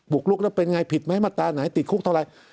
กลุกแล้วเป็นไงผิดไหมมาตราไหนติดคุกเท่าไหร่